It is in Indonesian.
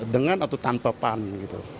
dengan atau tanpa pan gitu